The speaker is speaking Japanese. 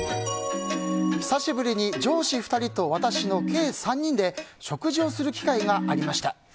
久しぶりに上司２人と私の計３人で食事をする機会がありました。